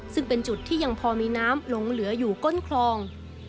ซึ่งเป็นจุดที่ยังพอมีน้ำหลงเหลืออยู่ก้นคลอง